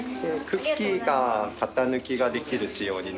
クッキーが型抜きができる仕様に。